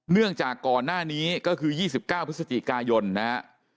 เนื่องจากก่อนหน้านี้ก็คือยี่สิบเก้าพฤศจิกายนนะฮะ